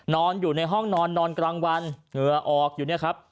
นอนอยู่ในห้องนอนนอนกลางวันเหงื่อออกอยู่เนี่ยครับ